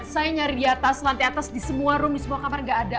saya nyari di atas lantai atas di semua room di semua kamar gak ada